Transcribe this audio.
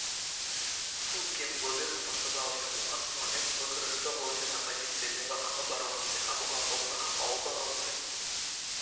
У слуцкім клубе замацаваўся ў аснове, выкарыстоўваўся на пазіцыі левага абаронцы або апорнага паўабаронцы.